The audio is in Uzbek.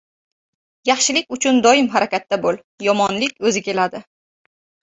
• Yaxshilik uchun doim harakatda bo‘l, yomonlik o‘zi keladi.